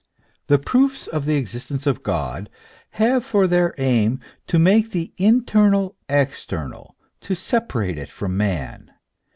The proofs of the existence of God have for their aim to make the internal external, to separate it from man.